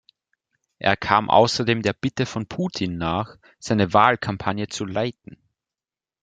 Er kam außerdem der Bitte von Putin nach, seine Wahlkampagne zu leiten.